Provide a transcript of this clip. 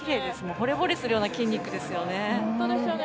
ほれぼれするような筋肉ですよね。